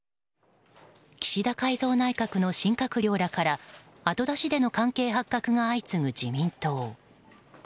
岸田改造内閣の新閣僚らから後出しでの関係発覚が相次ぐ自民党。